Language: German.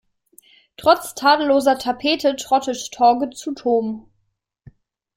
Trotz tadelloser Tapete trottet Torge zu Toom.